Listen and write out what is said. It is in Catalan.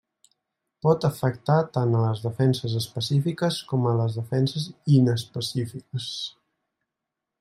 Pot afectar tant a les defenses específiques com a les defenses inespecífiques.